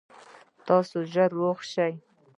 تاسو ژر روغ شئ